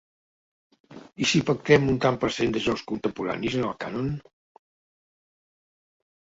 I si pactem un tant per cent de jocs contemporanis en el cànon?